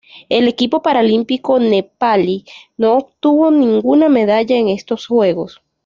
El equipo paralímpico nepalí no obtuvo ninguna medalla en estos Juegos.